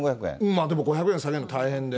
まあでも５００円下げるの大変で。